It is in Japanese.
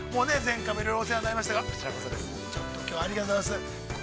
前回もいろいろお世話になりましたが、きょうはありがとうございます。